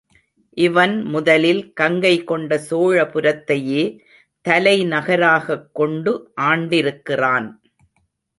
இவன் முதலில் கங்கை கொண்ட சோழபுரத்தையே தலை நகராகக் கொண்டு ஆண்டிருக்கிறான்.